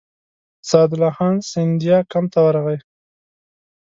سعدالله خان سیندیا کمپ ته ورغی.